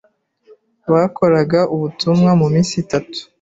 Bakoraga ubutumwa muminsi itatu.